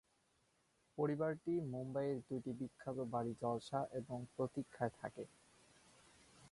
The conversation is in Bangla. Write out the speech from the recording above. পরিবারটি মুম্বইয়ের দুটি বিখ্যাত বাড়ি জলসা এবং প্রতিক্ষায় থাকে।